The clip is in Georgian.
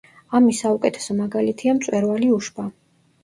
ამის საუკეთესო მაგალითია მწვერვალი უშბა.